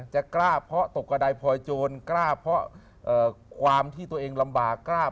จะกล้าเพราะตกกระดายพลอยโจรกล้าเพราะความที่ตัวเองลำบากกล้า